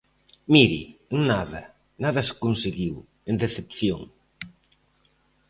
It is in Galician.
Mire, en nada; nada se conseguiu; en decepción.